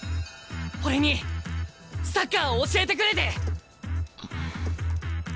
俺にサッカーを教えてくれて！